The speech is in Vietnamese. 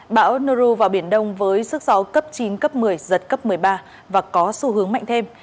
bão noru vào biển đông với sức gió cấp chín cấp một mươi giật cấp một mươi ba và có xu hướng mạnh thêm